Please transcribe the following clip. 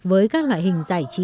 với các loại hình giải trí